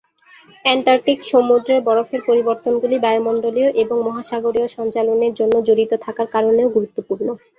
Antarctic সমুদ্রের বরফের পরিবর্তনগুলি বায়ুমণ্ডলীয় এবং মহাসাগরীয় সঞ্চালনের জন্য জড়িত থাকার কারণেও গুরুত্বপূর্ণ।